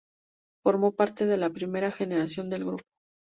Formó parte de la primera generación del grupo.